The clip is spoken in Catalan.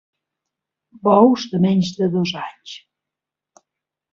Bous de menys de dos anys.